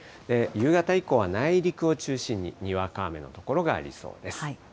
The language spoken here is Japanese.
夕方以降は内陸を中心ににわか雨の所がありそうです。